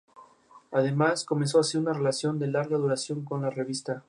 Con motivo de su treinta aniversario se puso en marcha una segunda emisora nacional.